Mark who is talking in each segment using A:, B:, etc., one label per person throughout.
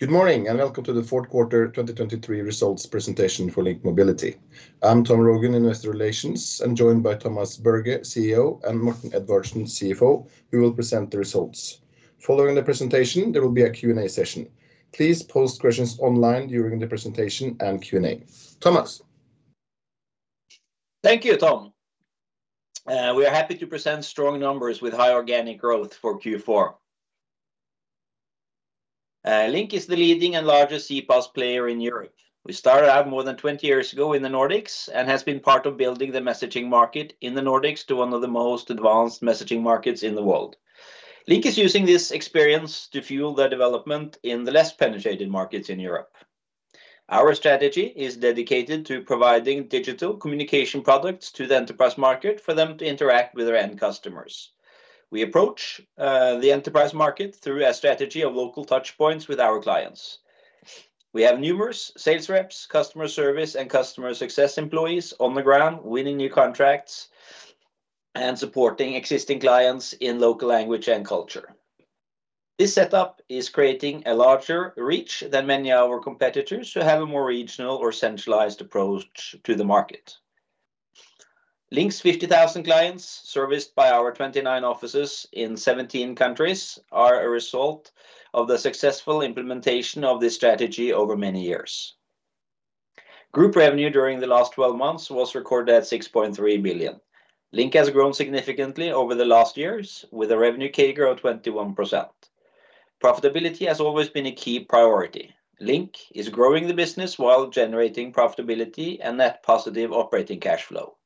A: Good morning, and welcome to the Q4 2023 results presentation for LINK Mobility. I'm Tom Rogn, Investor Relations, and joined by Thomas Berge, CEO, and Morten Edvardsen, CFO, who will present the results. Following the presentation, there will be a Q&A session. Please post questions online during the presentation and Q&A. Thomas?
B: Thank you, Tom. We are happy to present strong numbers with high organic growth for Q4. LINK is the leading and largest CPaaS player in Europe. We started out more than 20 years ago in the Nordics, and has been part of building the messaging market in the Nordics to one of the most advanced messaging markets in the world. LINK is using this experience to fuel their development in the less penetrated markets in Europe. Our strategy is dedicated to providing digital communication products to the enterprise market for them to interact with their end customers. We approach the enterprise market through a strategy of local touch points with our clients. We have numerous sales reps, customer service, and customer success employees on the ground, winning new contracts and supporting existing clients in local language and culture. This setup is creating a larger reach than many of our competitors, who have a more regional or centralized approach to the market. LINK's 50,000 clients, serviced by our 29 offices in 17 countries, are a result of the successful implementation of this strategy over many years. Group revenue during the last twelve months was recorded at 6.3 billion. LINK has grown significantly over the last years, with a revenue CAGR of 21%. Profitability has always been a key priority. LINK is growing the business while generating profitability and net positive operating cash flow.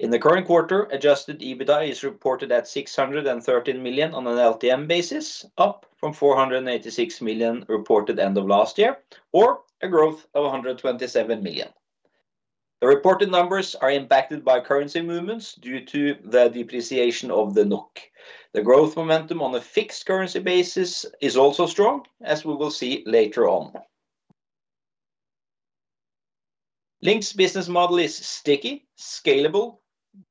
B: In the current quarter, adjusted EBITDA is reported at 613 million on an LTM basis, up from 486 million reported end of last year, or a growth of 127 million. The reported numbers are impacted by currency movements due to the depreciation of the NOK. The growth momentum on a fixed currency basis is also strong, as we will see later on. LINK's business model is sticky, scalable,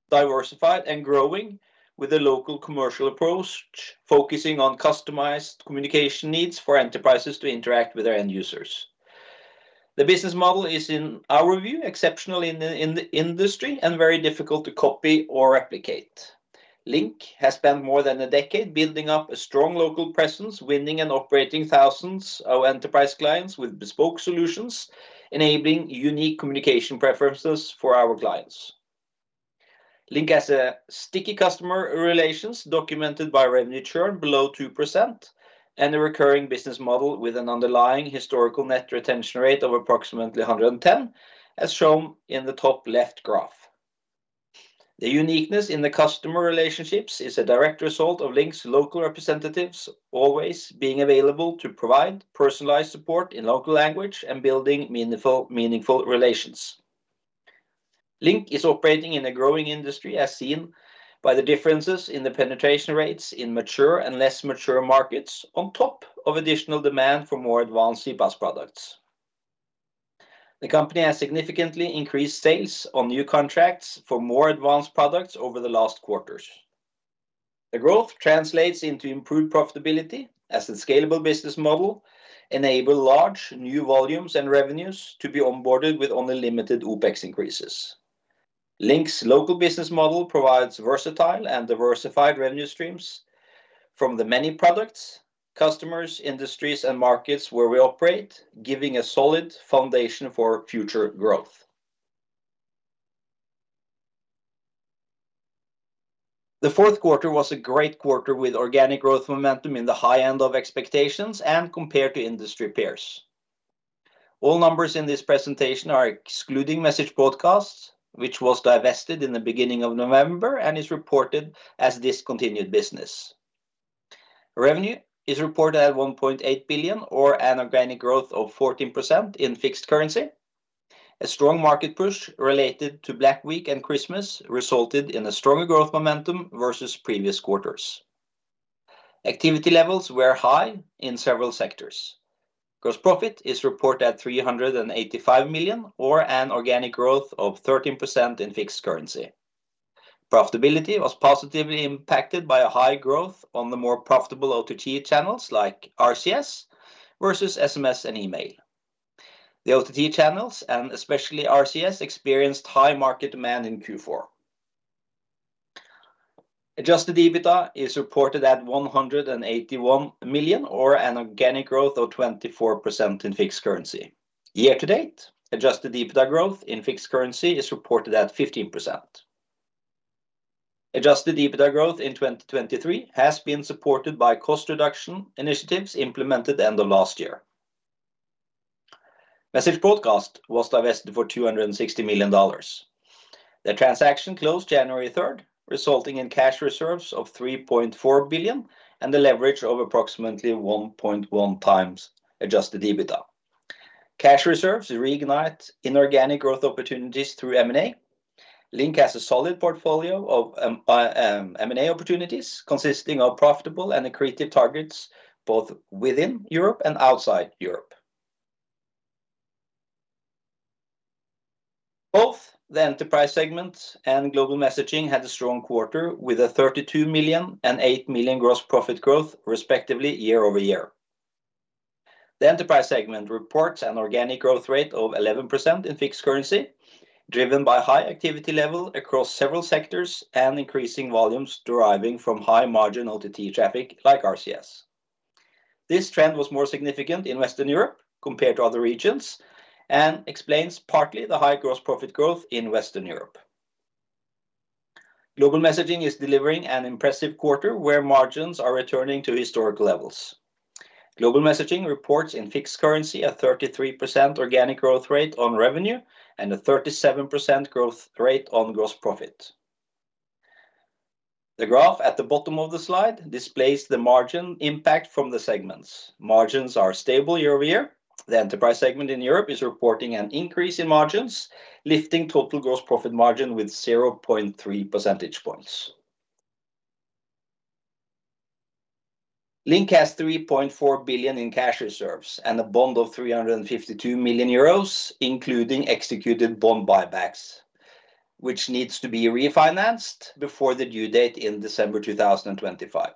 B: diversified, and growing, with a local commercial approach, focusing on customized communication needs for enterprises to interact with their end users. The business model is, in our view, exceptional in the, in the industry and very difficult to copy or replicate. LINK has spent more than a decade building up a strong local presence, winning and operating thousands of enterprise clients with bespoke solutions, enabling unique communication preferences for our clients. LINK has a sticky customer relations, documented by revenue churn below 2%, and a recurring business model with an underlying historical net retention rate of approximately 110, as shown in the top left graph. The uniqueness in the customer relationships is a direct result of LINK's local representatives always being available to provide personalized support in local language and building meaningful, meaningful relations. LINK is operating in a growing industry, as seen by the differences in the penetration rates in mature and less mature markets, on top of additional demand for more advanced CPaaS products. The company has significantly increased sales on new contracts for more advanced products over the last quarters. The growth translates into improved profitability, as the scalable business model enable large new volumes and revenues to be onboarded with only limited OpEx increases. LINK's local business model provides versatile and diversified revenue streams from the many products, customers, industries, and markets where we operate, giving a solid foundation for future growth. The Q4 was a great quarter, with organic growth momentum in the high end of expectations and compared to industry peers. All numbers in this presentation are excluding Message Broadcast, which was divested in the beginning of November and is reported as discontinued business. Revenue is reported at 1.8 billion, or an organic growth of 14% in fixed currency. A strong market push related to Black Week and Christmas resulted in a stronger growth momentum versus previous quarters. Activity levels were high in several sectors. Gross profit is reported at 385 million, or an organic growth of 13% in fixed currency. Profitability was positively impacted by a high growth on the more profitable OTT channels like RCS versus SMS and email. The OTT channels, and especially RCS, experienced high market demand in Q4. Adjusted EBITDA is reported at 181 million, or an organic growth of 24% in fixed currency. Year to date, adjusted EBITDA growth in fixed currency is reported at 15%. Adjusted EBITDA growth in 2023 has been supported by cost reduction initiatives implemented end of last year. Message Broadcast was divested for $260 million. The transaction closed January 3, resulting in cash reserves of 3.4 billion, and a leverage of approximately 1.1x adjusted EBITDA. Cash reserves reignite inorganic growth opportunities through M&A. LINK has a solid portfolio of M&A opportunities, consisting of profitable and accretive targets, both within Europe and outside Europe. Both the enterprise segment and global messaging had a strong quarter, with a 32 million and 8 million gross profit growth, respectively, year-over-year. The enterprise segment reports an organic growth rate of 11% in fixed currency, driven by high activity level across several sectors and increasing volumes deriving from high-margin A2P traffic like RCS. This trend was more significant in Western Europe compared to other regions, and explains partly the high gross profit growth in Western Europe. Global messaging is delivering an impressive quarter where margins are returning to historic levels. Global messaging reports in fixed currency, a 33% organic growth rate on revenue and a 37% growth rate on gross profit. The graph at the bottom of the slide displays the margin impact from the segments. Margins are stable year-over-year. The enterprise segment in Europe is reporting an increase in margins, lifting total gross profit margin with 0.3 percentage points. LINK has 3.4 billion in cash reserves and a bond of 352 million euros, including executed bond buybacks, which needs to be refinanced before the due date in December 2025.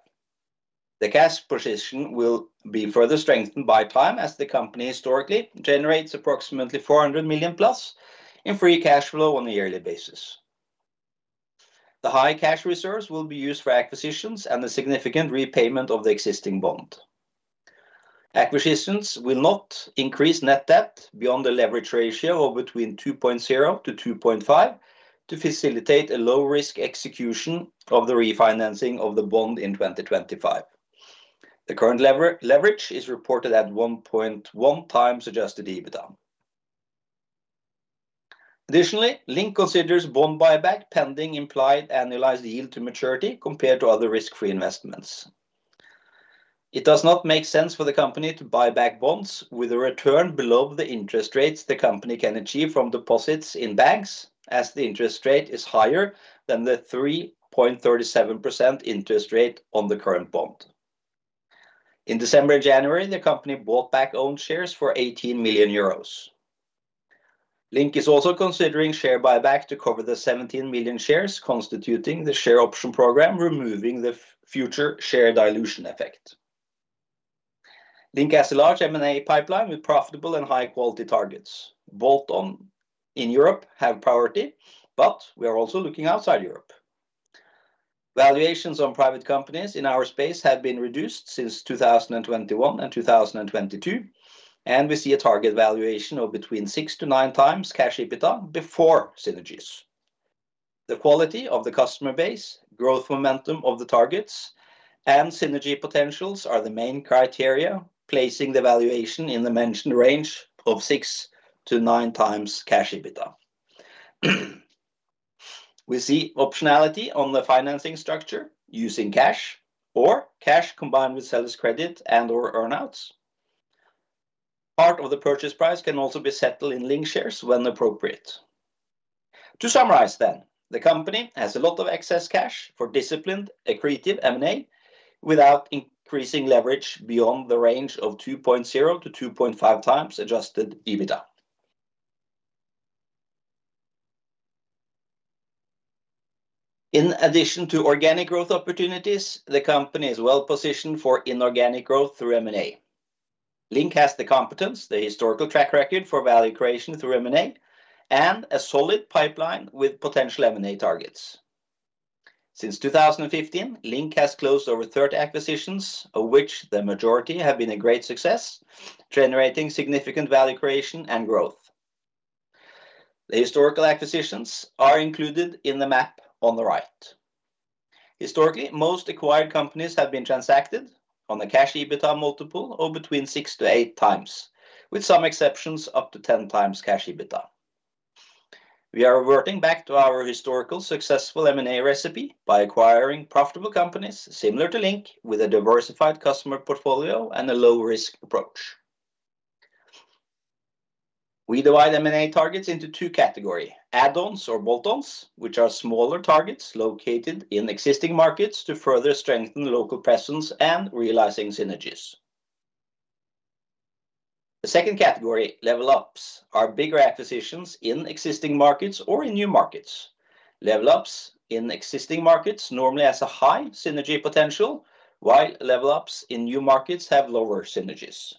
B: The cash position will be further strengthened by time, as the company historically generates approximately 400 million+ in free cash flow on a yearly basis. The high cash reserves will be used for acquisitions and the significant repayment of the existing bond. Acquisitions will not increase net debt beyond the leverage ratio of between 2.0-2.5, to facilitate a low risk execution of the refinancing of the bond in 2025. The current leverage is reported at 1.1 times adjusted EBITDA. Additionally, LINK considers bond buyback pending implied annualized yield to maturity compared to other risk-free investments. It does not make sense for the company to buy back bonds with a return below the interest rates the company can achieve from deposits in banks, as the interest rate is higher than the 3.37% interest rate on the current bond. In December and January, the company bought back own shares for 18 million euros. LINK is also considering share buyback to cover the 17 million shares, constituting the share option program, removing the future share dilution effect. LINK has a large M&A pipeline with profitable and high quality targets. Both in Europe have priority, but we are also looking outside Europe. Valuations on private companies in our space have been reduced since 2021 and 2022, and we see a target valuation of between 6-9 times cash EBITDA before synergies. The quality of the customer base, growth momentum of the targets and synergy potentials are the main criteria, placing the valuation in the mentioned range of 6-9 times cash EBITDA. We see optionality on the financing structure using cash or cash, combined with seller's credit and/or earn-outs. Part of the purchase price can also be settled in LINK shares when appropriate. To summarize then, the company has a lot of excess cash for disciplined, accretive M&A, without increasing leverage beyond the range of 2.0-2.5 times adjusted EBITDA. In addition to organic growth opportunities, the company is well positioned for inorganic growth through M&A. LINK has the competence, the historical track record for value creation through M&A, and a solid pipeline with potential M&A targets. Since 2015, LINK has closed over 30 acquisitions, of which the majority have been a great success, generating significant value creation and growth. The historical acquisitions are included in the map on the right. Historically, most acquired companies have been transacted on a cash EBITDA multiple of between 6-8 times, with some exceptions, up to 10 times cash EBITDA. We are reverting back to our historical successful M&A recipe by acquiring profitable companies similar to LINK, with a diversified customer portfolio and a low-risk approach. We divide M&A targets into two category: add-ons or bolt-ons, which are smaller targets located in existing markets to further strengthen the local presence and realizing synergies. The second category, level-ups, are bigger acquisitions in existing markets or in new markets. Level-ups in existing markets normally has a high synergy potential, while level-ups in new markets have lower synergies.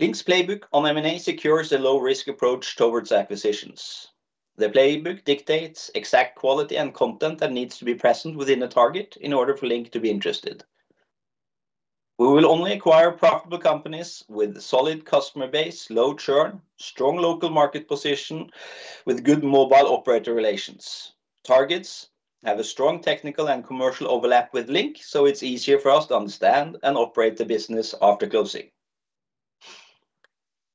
B: LINK's playbook on M&A secures a low-risk approach towards acquisitions. The playbook dictates exact quality and content that needs to be present within the target in order for LINK to be interested. We will only acquire profitable companies with solid customer base, low churn, strong local market position with good mobile operator relations. Targets have a strong technical and commercial overlap with LINK, so it's easier for us to understand and operate the business after closing.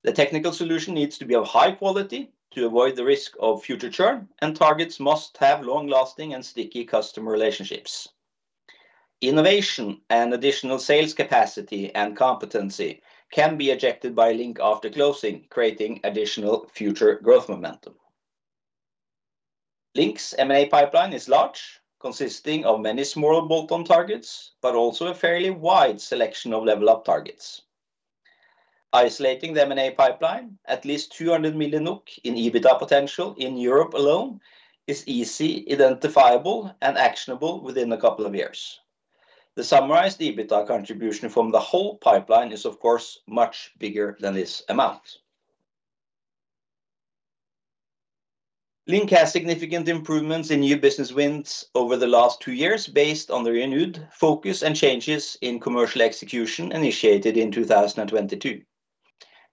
B: The technical solution needs to be of high quality to avoid the risk of future churn, and targets must have long-lasting and sticky customer relationships. Innovation and additional sales capacity and competency can be injected by LINK after closing, creating additional future growth momentum. LINK's M&A pipeline is large, consisting of many small bolt-on targets, but also a fairly wide selection of level up targets. Isolating the M&A pipeline, at least 200 million NOK in EBITDA potential in Europe alone is easy, identifiable, and actionable within a couple of years. The summarized EBITDA contribution from the whole pipeline is, of course, much bigger than this amount. LINK has significant improvements in new business wins over the last two years, based on the renewed focus and changes in commercial execution initiated in 2022.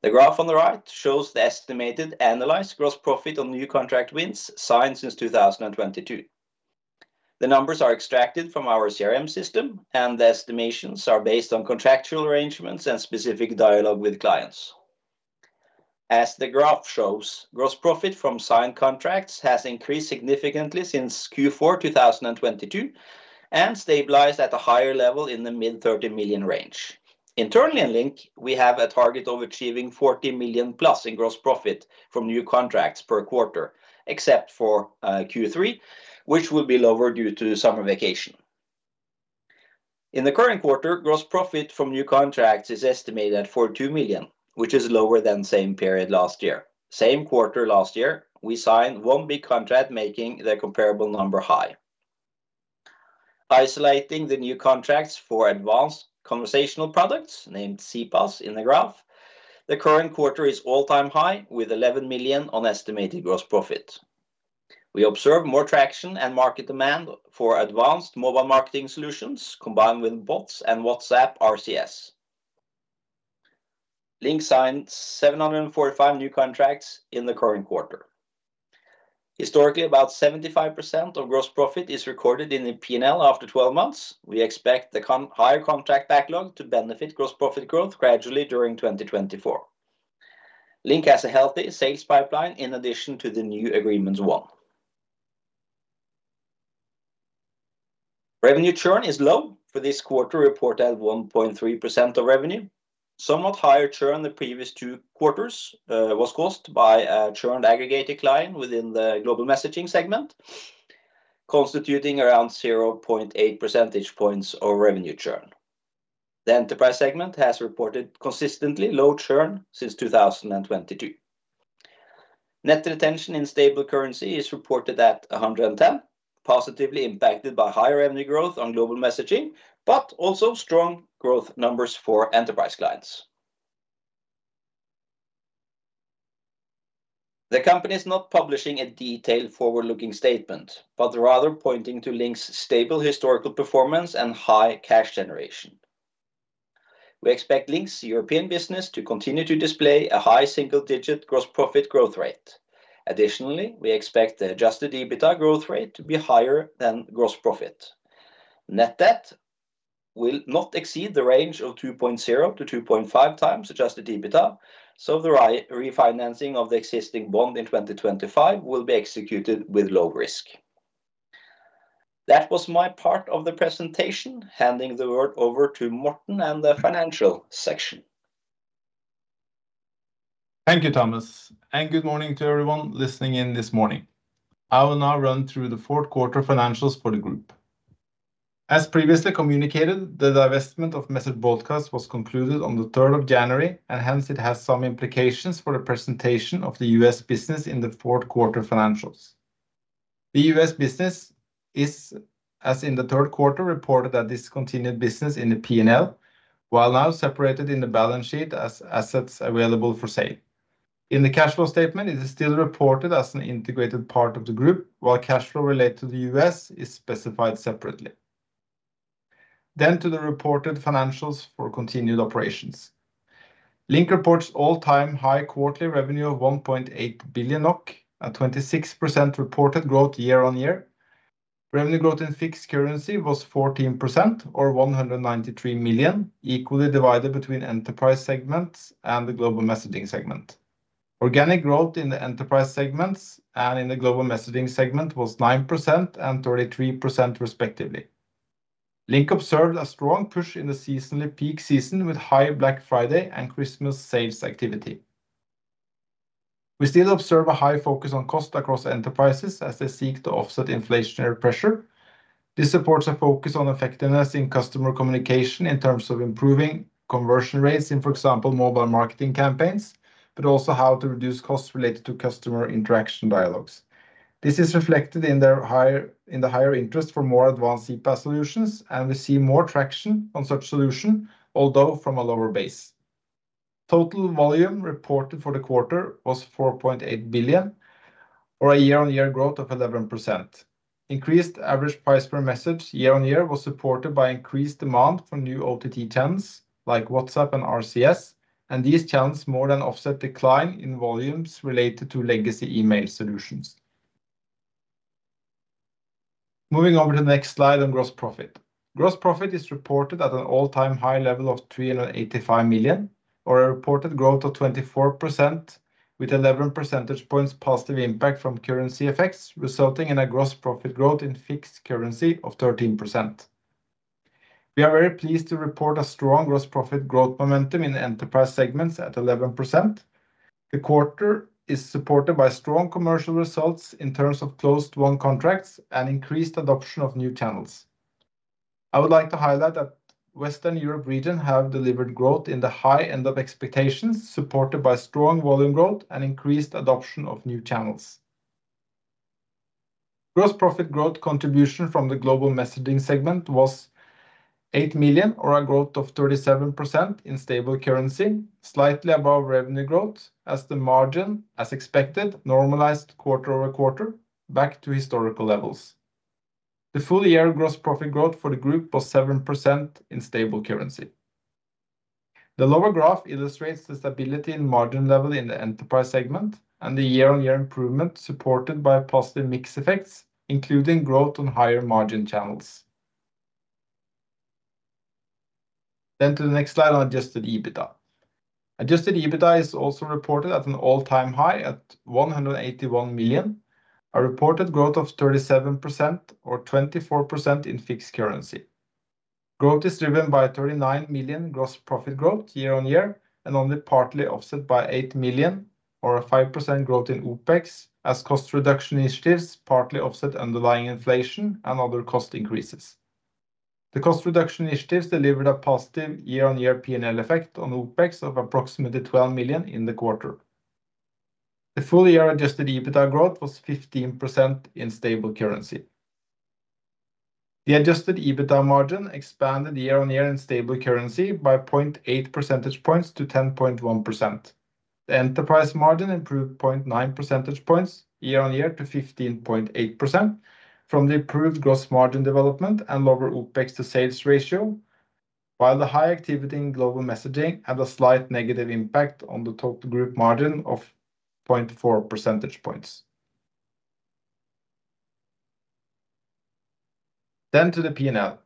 B: The graph on the right shows the estimated analyzed gross profit on new contract wins signed since 2022. The numbers are extracted from our CRM system, and the estimations are based on contractual arrangements and specific dialogue with clients. As the graph shows, gross profit from signed contracts has increased significantly since Q4 2022, and stabilized at a higher level in the mid-30 million NOK range. Internally in LINK, we have a target of achieving 40 million+ in gross profit from new contracts per quarter, except for Q3, which will be lower due to summer vacation. In the current quarter, gross profit from new contracts is estimated at 42 million, which is lower than same period last year. Same quarter last year, we signed one big contract making the comparable number high. Isolating the new contracts for advanced conversational products, named CPaaS in the graph, the current quarter is all-time high, with 11 million on estimated gross profit. We observe more traction and market demand for advanced mobile marketing solutions combined with bots and WhatsApp, RCS. LINK signed 745 new contracts in the current quarter. Historically, about 75% of gross profit is recorded in the P&L after 12 months. We expect the higher contract backlog to benefit gross profit growth gradually during 2024. LINK has a healthy sales pipeline in addition to the new agreements won. Revenue churn is low for this quarter, reported at 1.3% of revenue. Somewhat higher churn the previous two quarters was caused by a churned aggregate decline within the global messaging segment, constituting around 0.8 percentage points of revenue churn. The enterprise segment has reported consistently low churn since 2022. Net retention in stable currency is reported at 110, positively impacted by higher revenue growth on global messaging, but also strong growth numbers for enterprise clients. The company is not publishing a detailed forward-looking statement, but rather pointing to LINK's stable historical performance and high cash generation. We expect LINK's European business to continue to display a high single-digit gross profit growth rate. Additionally, we expect the adjusted EBITDA growth rate to be higher than gross profit. Net debt will not exceed the range of 2.0x-2.5x adjusted EBITDA, so the refinancing of the existing bond in 2025 will be executed with low risk. That was my part of the presentation. Handing the word over to Morten and the financial section.
C: Thank you, Thomas, and good morning to everyone listening in this morning. I will now run through the Q4 financials for the group. As previously communicated, the divestment of Message Broadcast was concluded on the 3rd of January, and hence it has some implications for the presentation of the U.S. business in the Q4 financials. The U.S. business is, as in the Q3, reported that discontinued business in the P&L, while now separated in the balance sheet as assets available for sale. In the cash flow statement, it is still reported as an integrated part of the group, while cash flow related to the U.S. is specified separately. Then to the reported financials for continued operations. LINK reports all-time high quarterly revenue of 1.8 billion and 26% reported growth year-on-year. Revenue growth in fixed currency was 14% or 193 million, equally divided between enterprise segments and the global messaging segment. Organic growth in the enterprise segments and in the global messaging segment was 9% and 33% respectively. LINK observed a strong push in the seasonally peak season, with high Black Friday and Christmas sales activity. We still observe a high focus on cost across enterprises as they seek to offset inflationary pressure. This supports a focus on effectiveness in customer communication in terms of improving conversion rates in, for example, mobile marketing campaigns, but also how to reduce costs related to customer interaction dialogues. This is reflected in their higher interest for more advanced CPaaS solutions, and we see more traction on such solution, although from a lower base. Total volume reported for the quarter was 4.8 billion, or a year-on-year growth of 11%. Increased average price per message year-on-year was supported by increased demand for new OTT channels, like WhatsApp and RCS, and these channels more than offset decline in volumes related to legacy email solutions. Moving over to the next slide on gross profit. Gross profit is reported at an all-time high level of 385 million, or a reported growth of 24%, with 11 percentage points positive impact from currency effects, resulting in a gross profit growth in fixed currency of 13%. We are very pleased to report a strong gross profit growth momentum in the enterprise segments at 11%. The quarter is supported by strong commercial results in terms of closed won contracts and increased adoption of new channels. I would like to highlight that Western Europe region have delivered growth in the high end of expectations, supported by strong volume growth and increased adoption of new channels. Gross profit growth contribution from the global messaging segment was 8 million, or a growth of 37% in stable currency, slightly above revenue growth as the margin, as expected, normalized quarter-over-quarter back to historical levels. The full-year gross profit growth for the group was 7% in stable currency. The lower graph illustrates the stability and margin level in the enterprise segment and the year-on-year improvement, supported by positive mix effects, including growth on higher margin channels. Then to the next slide on adjusted EBITDA. Adjusted EBITDA is also reported at an all-time high at 181 million, a reported growth of 37% or 24% in fixed currency. Growth is driven by 39 million gross profit growth year-on-year and only partly offset by 8 million, or a 5% growth in OpEx, as cost reduction initiatives partly offset underlying inflation and other cost increases. The cost reduction initiatives delivered a positive year-on-year PNL effect on OpEx of approximately 12 million in the quarter. The full-year adjusted EBITDA growth was 15% in stable currency. The adjusted EBITDA margin expanded year-on-year in stable currency by 0.8 percentage points to 10.1%. The enterprise margin improved 0.9 percentage points year-on-year to 15.8% from the improved gross margin development and lower OpEx to sales ratio. While the high activity in global messaging had a slight negative impact on the total group margin of 0.4 percentage points. Then to the PNL.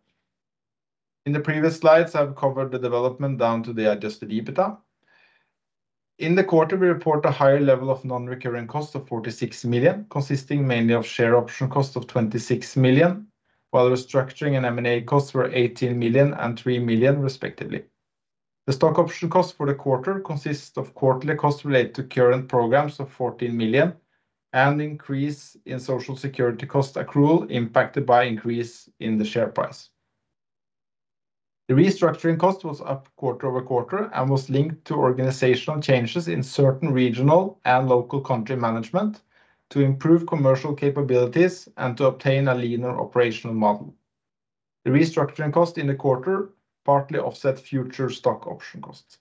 C: In the previous slides, I've covered the development down to the adjusted EBITDA. In the quarter, we report a higher level of non-recurring costs of 46 million, consisting mainly of share option cost of 26 million, while restructuring and M&A costs were 18 million and 3 million respectively. The stock option cost for the quarter consists of quarterly costs related to current programs of 14 million and increase in Social Security cost accrual impacted by increase in the share price. The restructuring cost was up quarter-over-quarter and was linked to organizational changes in certain regional and local country management to improve commercial capabilities and to obtain a leaner operational model. The restructuring cost in the quarter partly offset future stock option costs.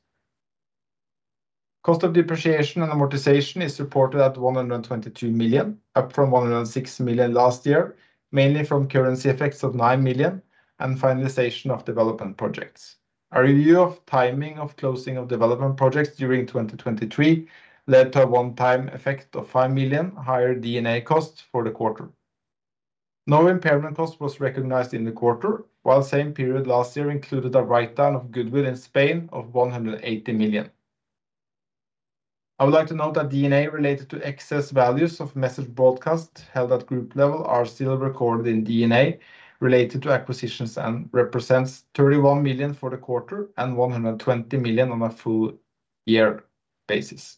C: Cost of depreciation and amortization is reported at 122 million, up from 106 million last year, mainly from currency effects of 9 million and finalization of development projects. A review of timing of closing of development projects during 2023 led to a one-time effect of 5 million higher D&A costs for the quarter. No impairment cost was recognized in the quarter, while same period last year included a write-down of goodwill in Spain of 180 million. I would like to note that D&A related to excess values of Message Broadcast held at group level are still recorded in D&A related to acquisitions and represents 31 million for the quarter and 120 million on a full year basis.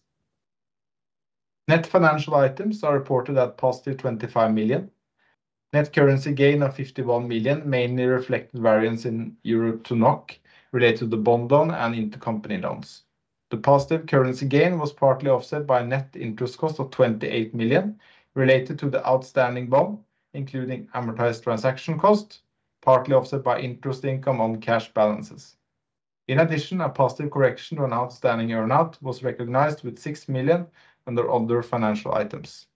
C: Net financial items are reported at positive 25 million. Net currency gain of 51 million, mainly reflected variance in EUR to NOK, related to the bond loan and intercompany loans. The positive currency gain was partly offset by net interest cost of 28 million, related to the outstanding bond, including amortized transaction cost, partly offset by interest income on cash balances. In addition, a positive correction on outstanding earn out was recognized with 6 million under other financial items.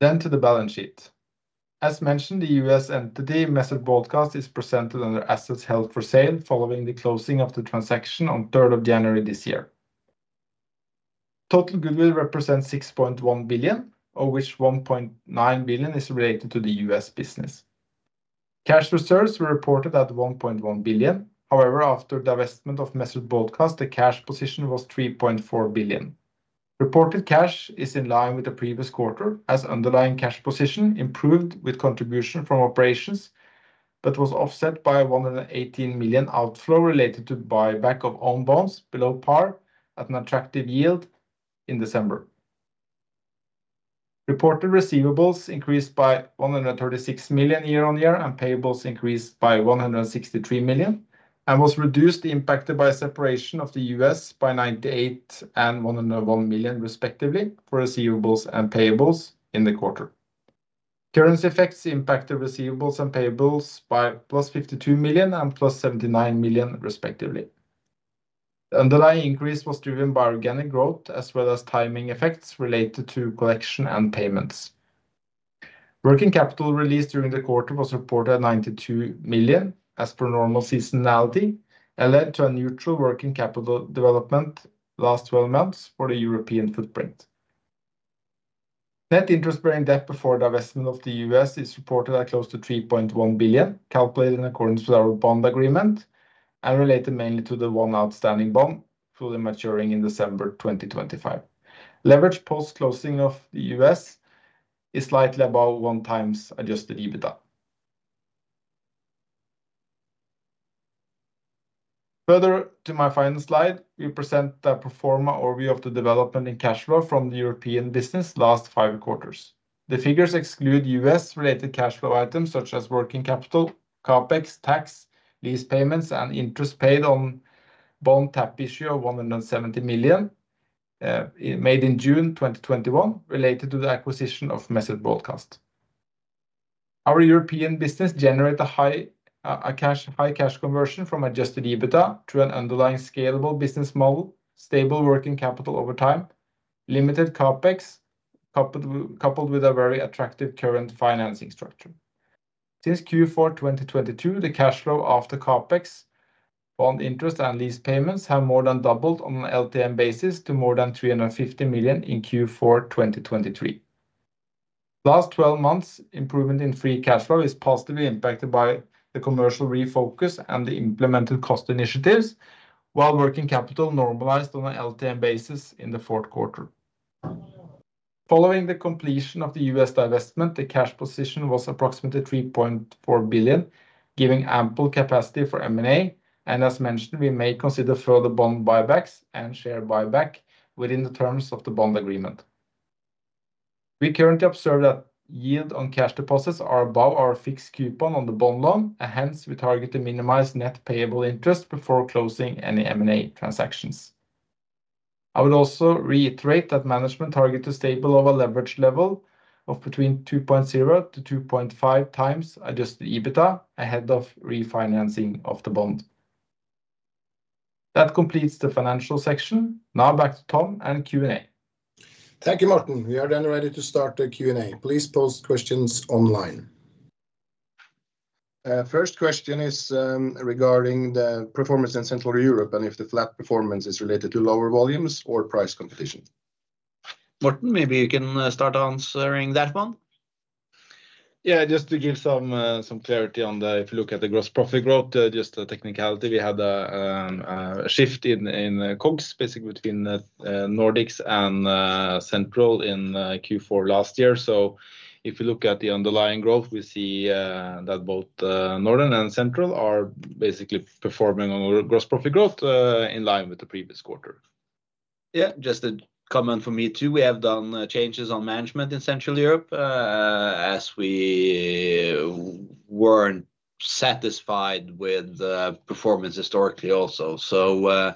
C: Then to the balance sheet. As mentioned, the U.S. entity Message Broadcast is presented under assets held for sale, following the closing of the transaction on 3rd of January this year. Total goodwill represents 6.1 billion, of which 1.9 billion is related to the U.S. business. Cash reserves were reported at 1.1 billion. However, after the divestment of Message Broadcast, the cash position was 3.4 billion. Reported cash is in line with the previous quarter, as underlying cash position improved with contribution from operations, but was offset by 118 million outflow related to buyback of own bonds below par at an attractive yield in December. Reported receivables increased by 136 million year-on-year, and payables increased by 163 million and was reduced, impacted by a separation of the US by 98 million and 101 million, respectively, for receivables and payables in the quarter. Currency effects impacted receivables and payables by +52 million and +79 million, respectively. The underlying increase was driven by organic growth as well as timing effects related to collection and payments. Working capital released during the quarter was reported at 92 million, as per normal seasonality, and led to a neutral working capital development last twelve months for the European footprint. Net interest-bearing debt before divestment of the US is reported at close to 3.1 billion, calculated in accordance with our bond agreement and related mainly to the one outstanding bond fully maturing in December 2025. Leverage post-closing of the US is slightly above 1x adjusted EBITDA. Further to my final slide, we present a pro forma overview of the development in cash flow from the European business last 5 quarters. The figures exclude US-related cash flow items such as working capital, CapEx, tax, lease payments, and interest paid on bond tap issue of 170 million made in June 2021, related to the acquisition of Message Broadcast. Our European business generate a high cash conversion from adjusted EBITDA to an underlying scalable business model, stable working capital over time, limited CapEx, coupled with a very attractive current financing structure. Since Q4 2022, the cash flow after CapEx, bond interest, and lease payments have more than doubled on an LTM basis to more than 350 million in Q4 2023. Last twelve months, improvement in free cash flow is positively impacted by the commercial refocus and the implemented cost initiatives, while working capital normalized on an LTM basis in the Q4. Following the completion of the U.S. divestment, the cash position was approximately 3.4 billion, giving ample capacity for M&A. And as mentioned, we may consider further bond buybacks and share buyback within the terms of the bond agreement. We currently observe that yield on cash deposits are above our fixed coupon on the bond loan, and hence we target to minimize net payable interest before closing any M&A transactions. I would also reiterate that management target to stable over leverage level of between 2.0-2.5x adjusted EBITDA, ahead of refinancing of the bond. That completes the financial section. Now back to Tom and Q&A.
A: Thank you, Morten. We are then ready to start the Q&A. Please post questions online. First question is regarding the performance in Central Europe, and if the flat performance is related to lower volumes or price competition.
B: Morten, maybe you can start answering that one.
C: Yeah, just to give some clarity on that. If you look at the gross profit growth, just a technicality, we had a shift in COGS, basically between Nordics and Central in Q4 last year. So if you look at the underlying growth, we see that both Nordics and Central are basically performing on gross profit growth in line with the previous quarter.
B: Yeah, just a comment from me, too. We have done changes on management in Central Europe, as we weren't satisfied with the performance historically also. So,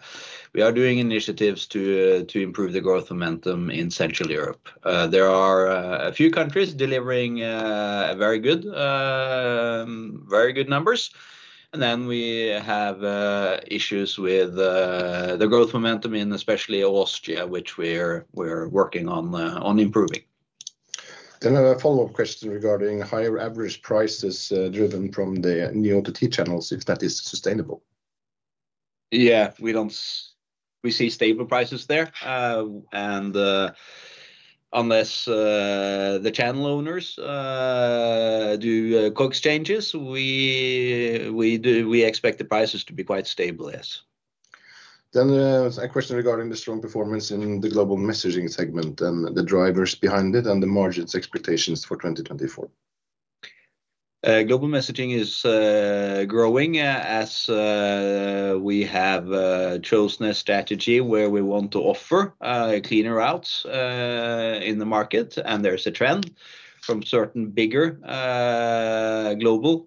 B: we are doing initiatives to to improve the growth momentum in Central Europe. There are a few countries delivering, very good, very good numbers. And then we have, issues with the growth momentum in especially Austria, which we're working on improving.
A: Then a follow-up question regarding higher average prices, driven from the new OTT channels, if that is sustainable?
B: Yeah, we don't, we see stable prices there. And unless the channel owners do COGS changes, we, we do, we expect the prices to be quite stable, yes.
A: A question regarding the strong performance in the global messaging segment and the drivers behind it and the margins expectations for 2024.
B: Global messaging is growing as we have chosen a strategy where we want to offer cleaner routes in the market. There's a trend from certain bigger global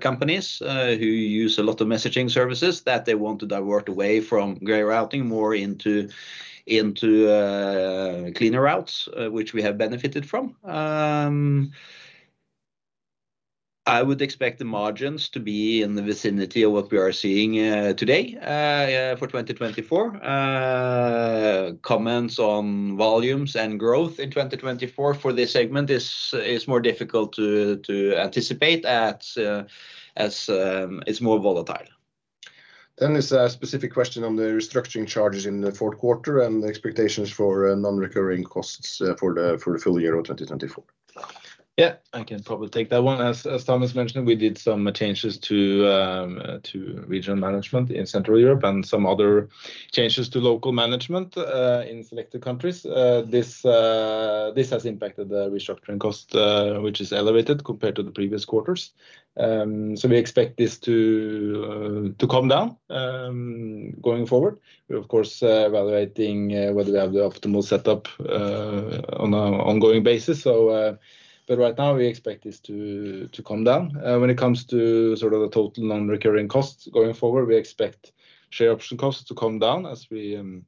B: companies who use a lot of messaging services, that they want to divert away from gray routing, more into cleaner routes which we have benefited from. I would expect the margins to be in the vicinity of what we are seeing today for 2024. Comments on volumes and growth in 2024 for this segment is more difficult to anticipate as it's more volatile.
A: There's a specific question on the restructuring charges in the Q4 and the expectations for non-recurring costs for the full year of 2024.
C: Yeah, I can probably take that one. As Thomas mentioned, we did some changes to regional management in Central Europe and some other changes to local management in selected countries. This has impacted the restructuring cost, which is elevated compared to the previous quarters. We expect this to come down going forward. We, of course, evaluating whether we have the optimal setup on an ongoing basis. But right now, we expect this to come down. When it comes to sort of the total non-recurring costs going forward, we expect share option costs to come down as the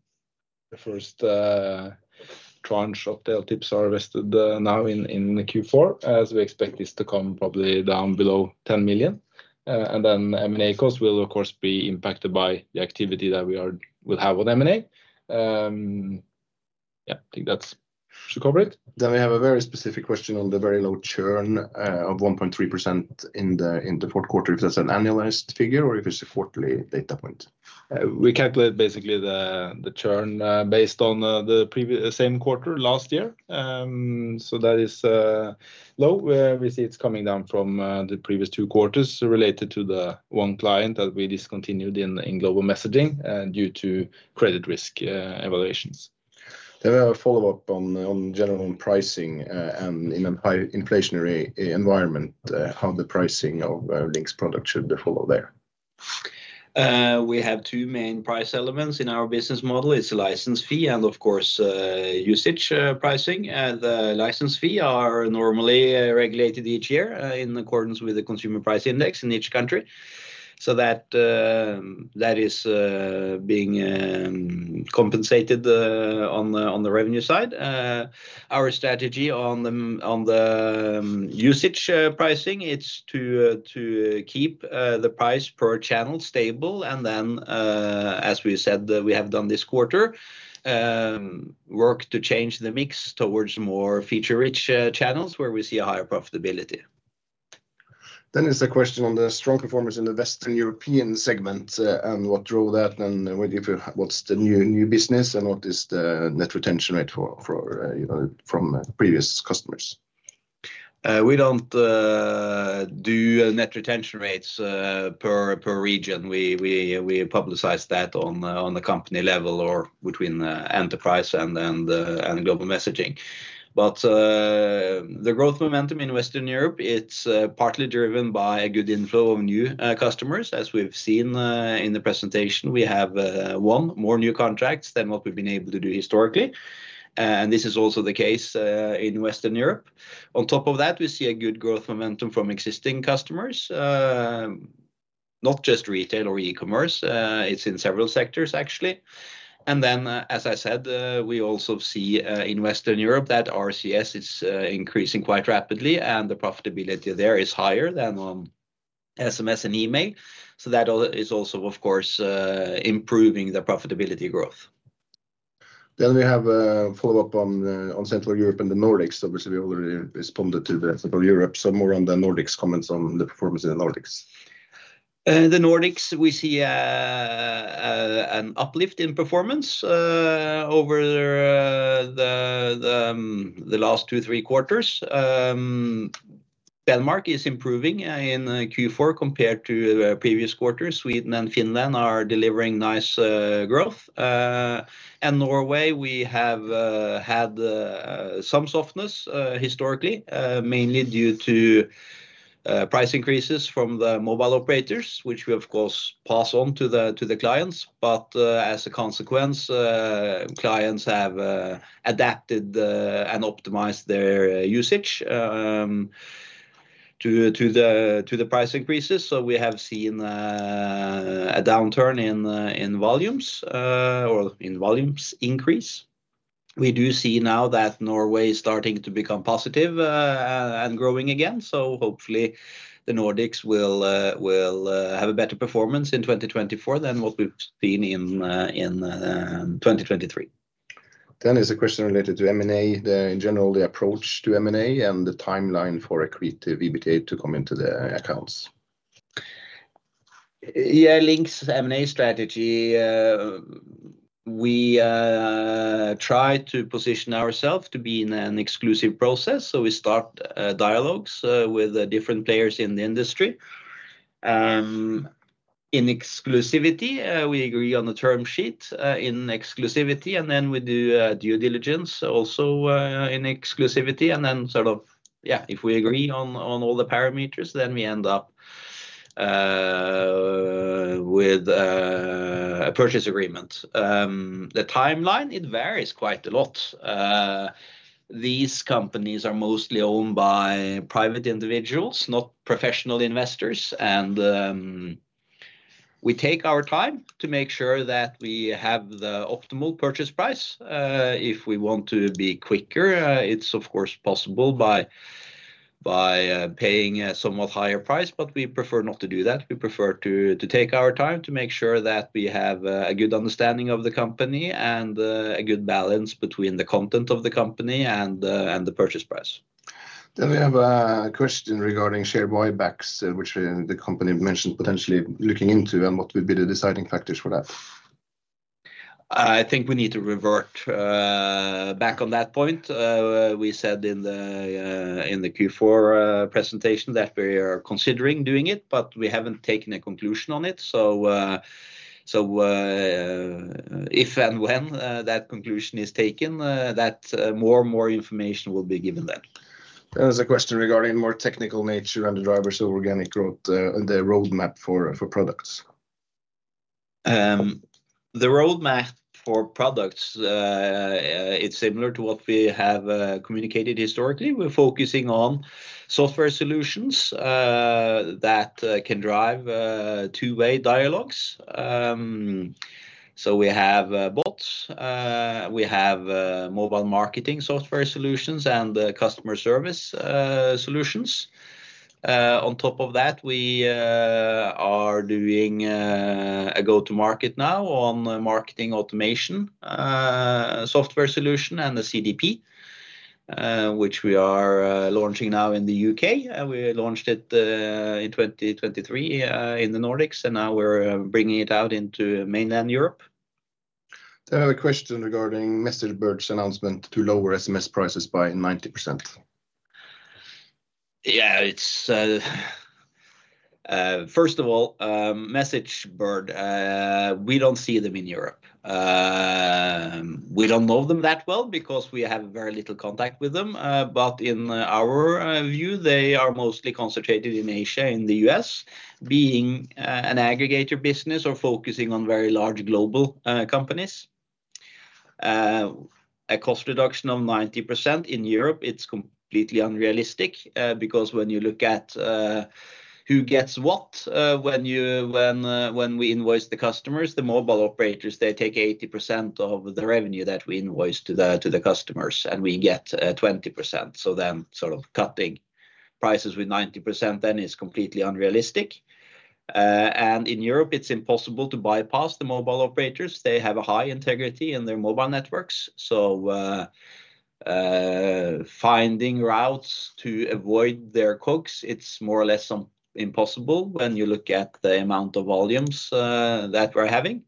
C: first tranche of the LTIPs are vested now in the Q4, as we expect this to come probably down below 10 million. And then M&A cost will, of course, be impacted by the activity that we will have on M&A. Yeah, I think that should cover it.
A: We have a very specific question on the very low churn of 1.3% in the Q4, if that's an annualized figure or if it's a quarterly data point.
C: We calculate basically the churn, based on the same quarter last year. So that is low, where we see it's coming down from the previous two quarters related to the one client that we discontinued in Global Messaging due to credit risk evaluations.
A: A follow-up on general pricing and in a high inflationary environment, how the pricing of LINK's product should follow there?
B: We have two main price elements in our business model. It's a license fee, and of course, usage pricing. And the license fee are normally regulated each year in accordance with the consumer price index in each country. So that that is being compensated on the revenue side. Our strategy on the usage pricing, it's to keep the price per channel stable. And then, as we said, we have done this quarter work to change the mix towards more feature-rich channels, where we see a higher profitability.
A: Then there's a question on the strong performance in the Western European segment, and what drove that, and what's the new, new business, and what is the net retention rate for, you know, from previous customers?
B: We don't do net retention rates per region. We publicize that on the company level, or between Enterprise and then the Global Messaging. But the growth momentum in Western Europe, it's partly driven by a good inflow of new customers. As we've seen in the presentation, we have won more new contracts than what we've been able to do historically, and this is also the case in Western Europe. On top of that, we see a good growth momentum from existing customers, not just retail or e-commerce, it's in several sectors, actually. And then, as I said, we also see in Western Europe, that RCS is increasing quite rapidly, and the profitability there is higher than SMS and email. That is also, of course, improving the profitability growth.
A: Then we have a follow-up on Central Europe and the Nordics. Obviously, we already responded to Central Europe, so more on the Nordics, comments on the performance in the Nordics.
B: The Nordics, we see an uplift in performance over the last two, Q3. Denmark is improving in Q4 compared to the previous quarters. Sweden and Finland are delivering nice growth. And Norway, we have had some softness historically mainly due to price increases from the mobile operators, which we, of course, pass on to the clients. But as a consequence, clients have adapted and optimized their usage to the price increases. So we have seen a downturn in volumes or in volumes increase. We do see now that Norway is starting to become positive and growing again. Hopefully, the Nordics will have a better performance in 2024 than what we've seen in 2023.
A: Then there's a question related to M&A, in general, the approach to M&A, and the timeline for accretive EBITDA to come into the accounts.
B: Yeah, LINK's M&A strategy, we try to position ourselves to be in an exclusive process. So we start dialogues with the different players in the industry. In exclusivity, we agree on the term sheet in exclusivity, and then we do due diligence, also in exclusivity. And then, sort of, yeah, if we agree on all the parameters, then we end up with a purchase agreement. The timeline, it varies quite a lot. These companies are mostly owned by private individuals, not professional investors, and we take our time to make sure that we have the optimal purchase price. If we want to be quicker, it's of course possible by paying a somewhat higher price, but we prefer not to do that. We prefer to take our time to make sure that we have a good understanding of the company and a good balance between the content of the company and the purchase price.
A: We have a question regarding share buybacks, which the company mentioned potentially looking into, and what would be the deciding factors for that?
B: I think we need to revert back on that point. We said in the Q4 presentation that we are considering doing it, but we haven't taken a conclusion on it. So, if and when that conclusion is taken, that more and more information will be given then.
A: There's a question regarding more technical nature and the drivers of organic growth, and the roadmap for products.
B: The roadmap for products, it's similar to what we have communicated historically. We're focusing on software solutions that can drive two-way dialogues. So we have bots, we have mobile marketing software solutions, and customer service solutions. On top of that, we are doing a go-to-market now on marketing automation, a software solution and the CDP, which we are launching now in the UK, and we launched it in 2023 in the Nordics, and now we're bringing it out into mainland Europe.
A: Then I have a question regarding MessageBird's announcement to lower SMS prices by 90%.
B: Yeah, it's first of all, MessageBird, we don't see them in Europe. We don't know them that well because we have very little contact with them. But in our view, they are mostly concentrated in Asia, in the U.S., being an aggregator business or focusing on very large global companies. A cost reduction of 90% in Europe, it's completely unrealistic, because when you look at who gets what, when we invoice the customers, the mobile operators, they take 80% of the revenue that we invoice to the customers, and we get 20%. So then sort of cutting prices with 90% then is completely unrealistic. And in Europe, it's impossible to bypass the mobile operators. They have a high integrity in their mobile networks, so, finding routes to avoid their COGS, it's more or less some impossible when you look at the amount of volumes that we're having.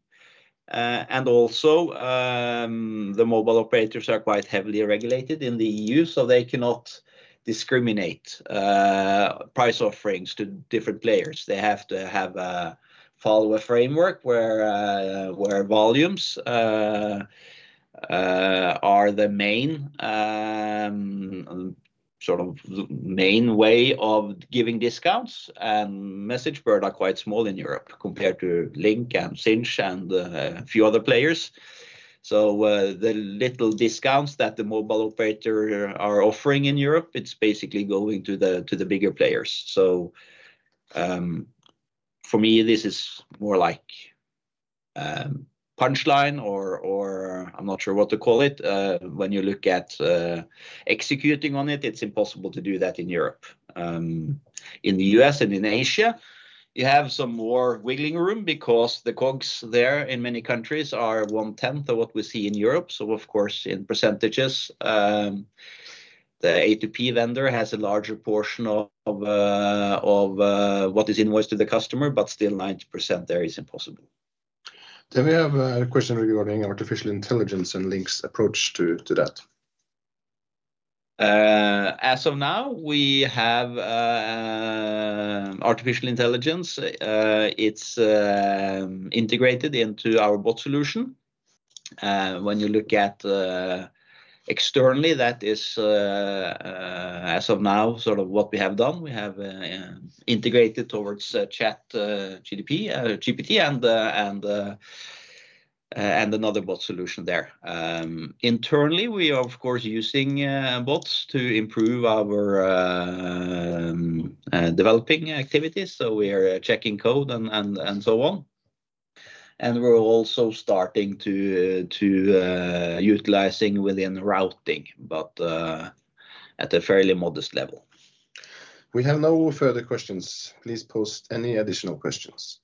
B: And also, the mobile operators are quite heavily regulated in the EU, so they cannot discriminate price offerings to different players. They have to have follow a framework where volumes are the main sort of main way of giving discounts. And MessageBird are quite small in Europe compared to LINK and Sinch and a few other players. So, the little discounts that the mobile operator are offering in Europe, it's basically going to the bigger players. So, for me, this is more like punchline or I'm not sure what to call it. When you look at executing on it, it's impossible to do that in Europe. In the U.S. and in Asia, you have some more wiggling room because the COGS there in many countries are 1/10 of what we see in Europe. So of course, in percentages, the A2P vendor has a larger portion of what is invoiced to the customer, but still 90% there is impossible.
A: Then we have a question regarding artificial intelligence and LINK's approach to that.
B: As of now, we have artificial intelligence. It's integrated into our bot solution. When you look at externally, that is, as of now, sort of what we have done. We have integrated towards ChatGPT, GPT and another bot solution there. Internally, we are of course using bots to improve our developing activities, so we are checking code and so on. And we're also starting to utilizing within routing, but at a fairly modest level.
A: We have no further questions. Please post any additional questions.